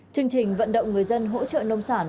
chương trình vận động người dân hỗ trợ nông sản